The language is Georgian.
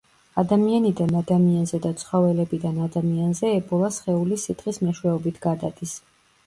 ადამიანიდან ადამიანზე და ცხოველებიდან ადამიანზე ებოლა სხეულის სითხის მეშვეობით გადადის.